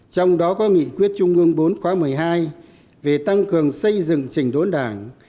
trong đó có nghị quyết trung ương bốn khóa một mươi hai về tăng cường xây dựng trình đốn đảng